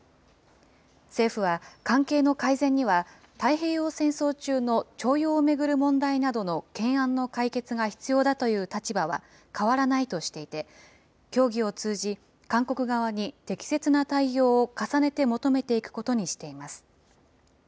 政府は、関係の改善には、太平洋戦争中の徴用を巡る問題などの懸案の解決が必要だという立場は変わらないとしていて、協議を通じ、韓国側に適切な対応を重ねて求めていくことにしています。